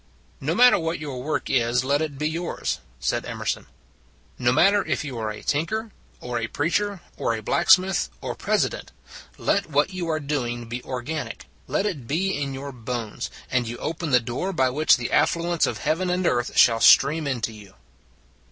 " No matter what your work is, let it be yours," said Emerson. " No matter if you are a tinker or a preacher or a black smith or president, let what you are doing be organic, let it be in your bones, and you open the door by which the affluence of heaven and earth shall stream into you."